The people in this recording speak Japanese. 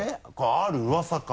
「ある噂」か。